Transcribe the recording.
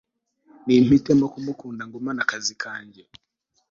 Nimpitemo kumukunda ngumane akazi kajye